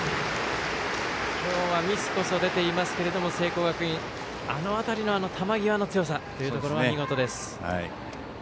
今日はミスこそ出ていますけれども聖光学院、あの辺りの球際の強さというところは見事です。